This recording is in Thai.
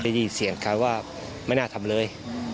ได้ยินเสียงคล้ายว่าไม่น่าทำเลย